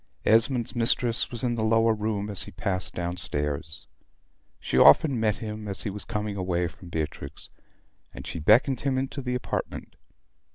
Esmond's mistress was in the lower room as he passed down stairs. She often met him as he was coming away from Beatrix; and she beckoned him into the apartment.